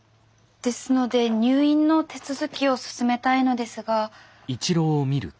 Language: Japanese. ですので入院の手続きを進めたいのですが。